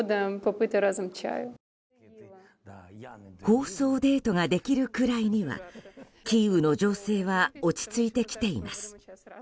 放送デートができるくらいにはキーウの情勢は落ち着いてきています。